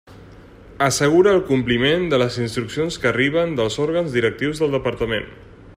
Assegura el compliment de les instruccions que arriben dels òrgans directius del Departament.